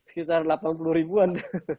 sekitar delapan puluh ribuan